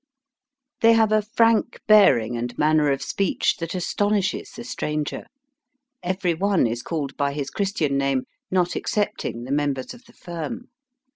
They have a frank bearing and manner of speech that astonishes the stranger. Every one is called by his Christian name, not excepting the members of the firm.